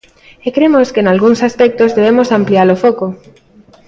E cremos que nalgúns aspectos debemos ampliar o foco.